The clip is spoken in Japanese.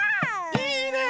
いいね！